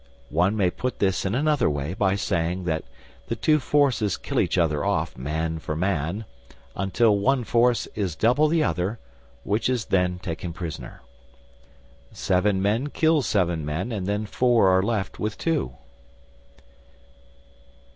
One may put this in another way by saying that the two forces kill each other off, man for man, until one force is double the other, which is then taken prisoner. Seven men kill seven men, and then four are left with two.